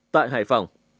tại hải phòng